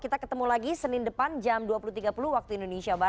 kita ketemu lagi senin depan jam dua puluh tiga puluh waktu indonesia barat